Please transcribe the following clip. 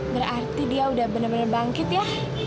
berarti dia udah bener bener bangkit ya